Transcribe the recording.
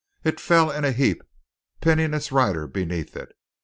It fell in a heap, pinning its rider beneath it.